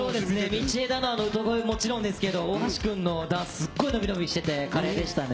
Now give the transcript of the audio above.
道枝のあの歌声はもちろんですけど、大橋君のダンス、すっごい伸び伸びしてて華麗でしたね。